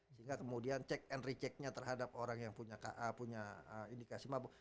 sehingga kemudian check and rechecknya terhadap orang yang punya ka punya indikasi mabok